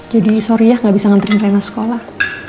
jadi sorry ya gak bisa nganterin rena sekolah